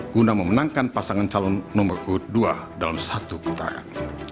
guna memenangkan pasangan calon nomor urut dua dalam satu putaran